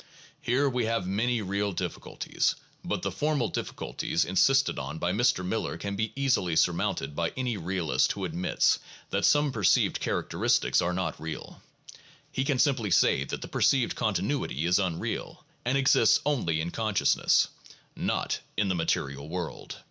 Here we have many real difficulties, but the formal difficulty insisted on by Mr. Miller can be easily surmounted by any realist who admits that some perceived characteristics are not real. He can simply say that the per ceived continuity is unreal, and exists only in consciousness, not in the material world.